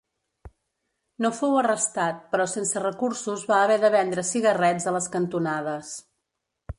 No fou arrestat, però sense recursos va haver de vendre cigarrets a les cantonades.